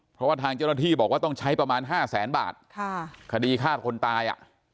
เพราะว่าทางเจ้าหน้าที่บอกว่าต้องใช้ประมาณ๕แสนบาทคดีฆ่าคนตายอ่ะ